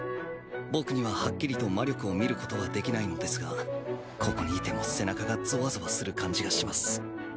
僕にははっきりと魔力を見ることはできないのですがここにいても背中がぞわぞわする感じがします。